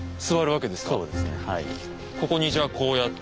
ここにじゃあこうやって。